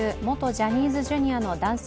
ジャニーズＪｒ．の男性